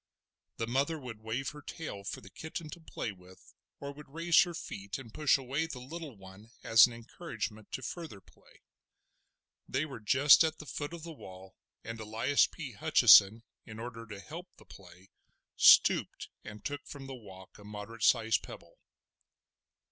The mother would wave her tail for the kitten to play with, or would raise her feet and push away the little one as an encouragement to further play. They were just at the foot of the wall, and Elias P. Hutcheson, in order to help the play, stooped and took from the walk a moderate sized pebble.